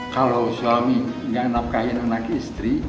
kalau suami nggak enak kain sama istri